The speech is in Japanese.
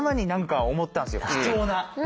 貴重な。